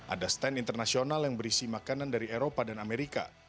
ada stand internasional yang berisi makanan dari eropa dan amerika